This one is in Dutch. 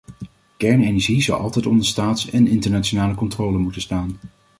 Kernenergie zou altijd onder staats- en internationale controle moeten staan.